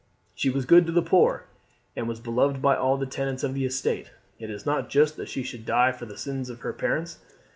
She was good to the poor, and was beloved by all the tenants on the estate. It is not just that she should die for the sins of her parents.